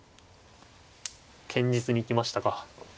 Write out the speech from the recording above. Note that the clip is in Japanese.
堅実に行きましたか。